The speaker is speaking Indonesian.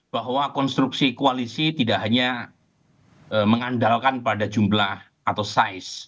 bahwa konstruksi koalisi tidak hanya mengandalkan pada jumlah atau size